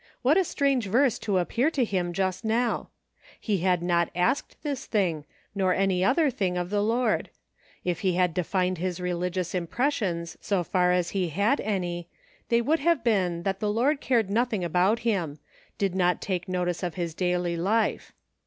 What a strange verse to appear to him just now. He had not asked this thing, nor any other thing of the Lord. If he had defined his religious impressions, so far as he had any, they would have been that the Lord cared nothing about him ; did not take notice of his daily life.